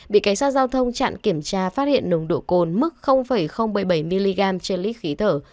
bị cảnh sát giao thông chặn kiểm tra phát hiện nồng độ cồn mức bảy mươi bảy mg trên lít khí thở